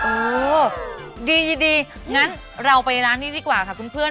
เออดีงั้นเราไปร้านนี้ดีกว่าค่ะคุณเพื่อน